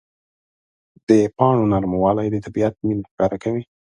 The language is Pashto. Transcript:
د پاڼو نرموالی د طبیعت مینه ښکاره کوي.